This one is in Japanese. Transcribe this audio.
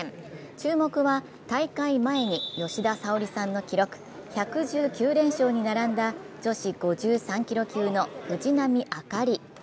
注目は大会前に吉田沙保里さんの記録、１１９連勝に並んだ女子５３キロ級の藤波朱理。